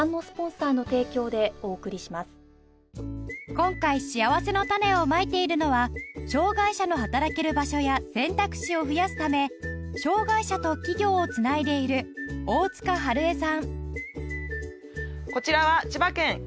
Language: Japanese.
今回しあわせのたねをまいているのは障がい者の働ける場所や選択肢を増やすため障がい者と企業をつないでいる大塚春枝さん